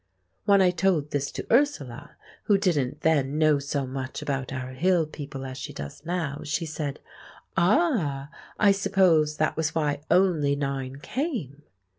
When I told this to Ursula, who didn't then know so much about our hill people as she does now, she said, "Ah! I suppose that was why only nine came!"